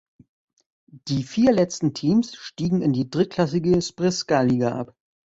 Die vier letzten Teams stiegen in die drittklassige Srpska Liga ab.